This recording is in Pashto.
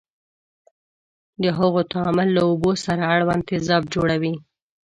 د هغو تعامل له اوبو سره اړوند تیزاب جوړوي.